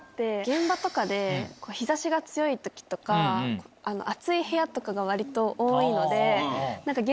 現場とかで日差しが強い時とか暑い部屋とかが割と多いので。